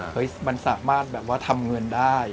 เฮ้ยมันสามารถทำเงินได้